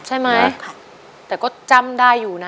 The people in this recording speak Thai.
ใช่ไหมค่ะแต่ก็จำได้อยู่นะ